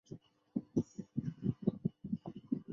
最后皇帝裁决免死。